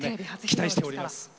期待しております。